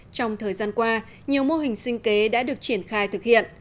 trong thời gian qua nhiều mô hình sinh kế đã được triển khai thực hiện